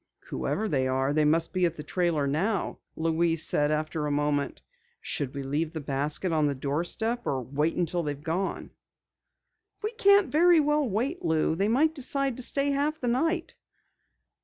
"Whoever they are, they must be at the trailer now," Louise said after a moment. "Should we leave the basket on the doorstep or wait until they've gone?" "We can't very well wait, Lou. They might decide to stay half the night."